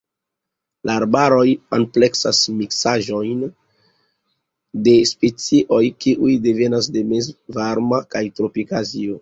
La arbaroj ampleksas miksaĵon de specioj kiuj devenas de mezvarma kaj tropika Azio.